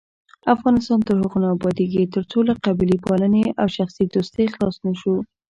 افغانستان تر هغو نه ابادیږي، ترڅو له قبیلې پالنې او شخصي دوستۍ خلاص نشو.